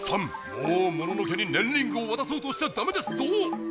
もうモノノ家にねんリングをわたそうとしちゃダメですぞ！